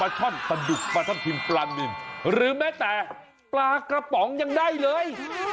ช่อนปลาดุกปลาทับทิมปลานินหรือแม้แต่ปลากระป๋องยังได้เลย